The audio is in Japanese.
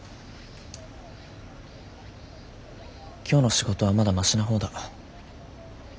今日の仕事はまだマシな方だ。